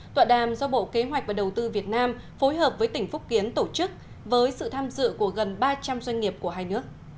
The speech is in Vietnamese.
tọa đàm do bộ kế hoạch và đầu tư việt nam phối hợp với tỉnh phúc kiến tổ chức với sự tham dự của gần ba trăm linh doanh nghiệp của hai nước